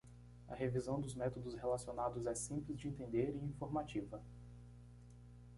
A revisão de métodos relacionados é simples de entender e informativa.